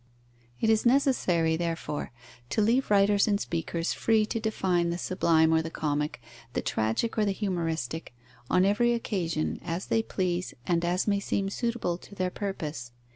It is necessary, therefore, to leave writers and speakers free to define the sublime or the comic, the tragic or the humoristic, on every occasion, as they please and as may seem suitable to their purpose.